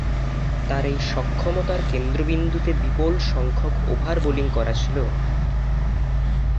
তার এই সক্ষমতার কেন্দ্রবিন্দুতে বিপুলসংখ্যক ওভার বোলিং করা ছিল।